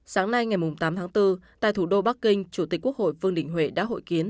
sáng nay ngày tám tháng bốn tại thủ đô bắc kinh chủ tịch quốc hội vương đình huệ đã hội kiến